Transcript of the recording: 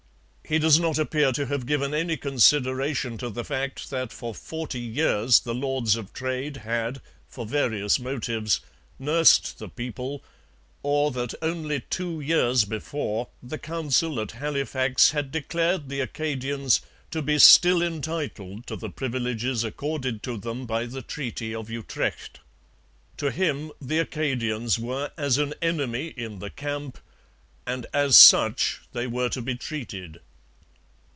He does not appear to have given any consideration to the fact that for forty years the Lords of Trade had, for various motives, nursed the people, or that only two years before the Council at Halifax had declared the Acadians to be still entitled to the privileges accorded to them by the Treaty of Utrecht. To him the Acadians were as an enemy in the camp, and as such they were to be treated.